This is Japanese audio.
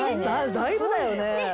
だいぶだよね！